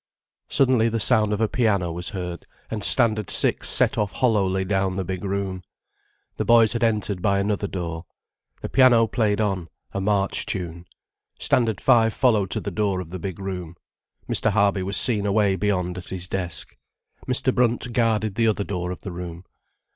Suddenly the sound of a piano was heard, and Standard Six set off hollowly down the big room. The boys had entered by another door. The piano played on, a march tune, Standard Five followed to the door of the big room. Mr. Harby was seen away beyond at his desk. Mr. Brunt guarded the other door of the room.